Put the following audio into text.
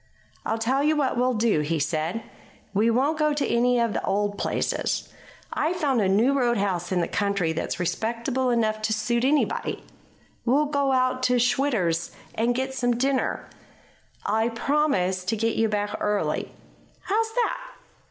"I'll tell you what we'll do," he said. "We won't go to any of the old places. I've found a new roadhouse in the country that's respectable enough to suit anybody. We'll go out to Schwitter's and get some dinner. I'll promise to get you back early. How's that?"